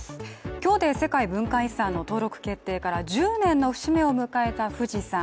今日で世界文化遺産の登録決定から１０年の節目を迎えた富士山。